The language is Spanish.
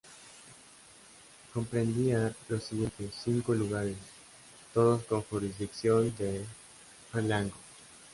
Comprendía los siguientes cinco lugares, todos con jurisdicción de realengo.